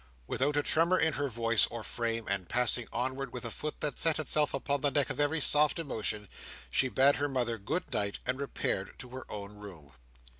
Without a tremor in her voice, or frame, and passing onward with a foot that set itself upon the neck of every soft emotion, she bade her mother good night, and repaired to her own room.